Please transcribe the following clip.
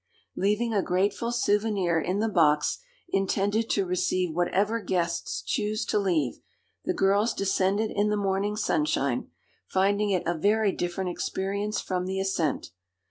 Leaving a grateful souvenir in the box intended to receive whatever guests choose to leave, the girls descended in the morning sunshine, finding it a very different experience from the ascent.